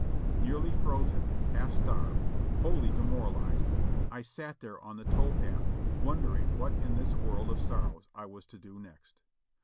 Nearly frozen, half starved, wholly demoralized, I sat there on the tow path wondering what in this world of sorrows I was to do next.